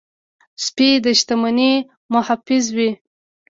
سپي د شتمنۍ محافظ وي.